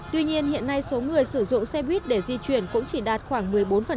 tuy nhiên hiện nay số người sử dụng xe buýt để di chuyển cũng chỉ đạt khoảng một mươi bốn